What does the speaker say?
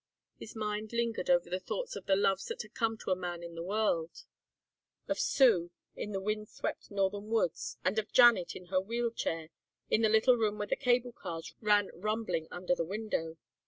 His mind lingered over the thoughts of the loves that come to a man in the world, of Sue in the wind swept northern woods and of Janet in her wheel chair in the little room where the cable cars ran rumbling under the window.